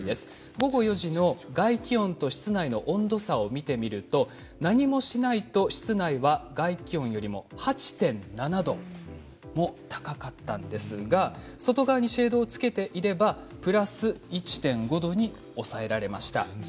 午後４時の外気温と室内の温度差を見てみると何もしないと室内は外気温よりも８．７度も高かったんですが外側にシェードをつけていればプラス１．５度に抑えられました。